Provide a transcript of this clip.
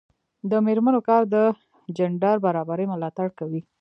د میرمنو کار د جنډر برابري ملاتړ کوي.